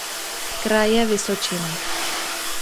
Kraje Vysočina.